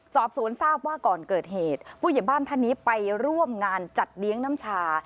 สอบสวนทราบว่าก่อนเกิดเหตุผู้ใหญ่บ้านท่านนี้ไปร่วมงานจัดเลี้ยงน้ำชา